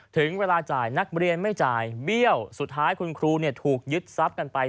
ถึงเวลาจ่ายนักเรียนไม่จ่ายเบี้ยวสุดท้ายคุณครูถูกยึดทรัพย์กันไป